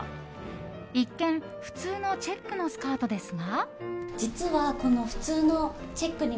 一見、普通のチェックのスカートですが。